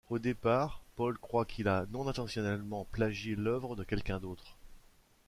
Au départ, Paul croit qu'il a non-intentionnellement plagié l'œuvre de quelqu'un d'autre.